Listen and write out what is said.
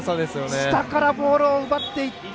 下からボールを奪っていった。